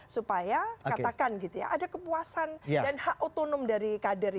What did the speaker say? supaya katakan gitu ya ada kepuasan dan hak otonom dari kader